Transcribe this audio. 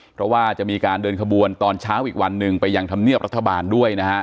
เพราะว่าจะมีการเดินขบวนตอนเช้าอีกวันหนึ่งไปยังธรรมเนียบรัฐบาลด้วยนะฮะ